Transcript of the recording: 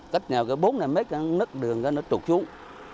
cách nhau bốn năm mét nớp đường nó trục xuống